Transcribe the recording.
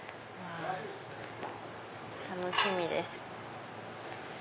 楽しみです。